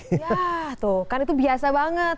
ya tuh kan itu biasa banget